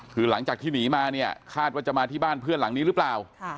คือหลังจากที่หนีมาเนี่ยคาดว่าจะมาที่บ้านเพื่อนหลังนี้หรือเปล่า